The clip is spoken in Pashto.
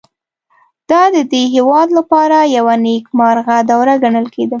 دا د دې هېواد لپاره یوه نېکمرغه دوره ګڼل کېده